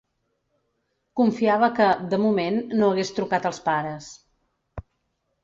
Confiava que, de moment, no hagués trucat als pares.